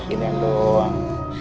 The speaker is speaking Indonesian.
ini yang doang